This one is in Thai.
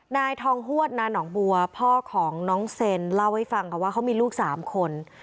นายทองฮวดนานองบัวพ่อของน้องเซนเล่าให้ฟังค่ะว่าเขามีลูก๓คน